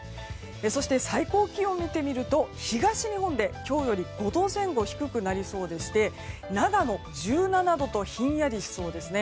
そして最高気温を見てみますと東日本で今日より５度前後低くなりそうで長野は１７度とひんやりしそうです。